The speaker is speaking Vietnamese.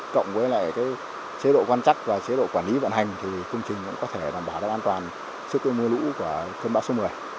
cộng với lại cái chế độ quan trắc và chế độ quản lý vận hành thì công trình cũng có thể đảm bảo an toàn sức cơ mưa lũ của cơn bão số một mươi